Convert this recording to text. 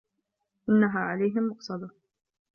إِنَّها عَلَيهِم مُؤصَدَةٌ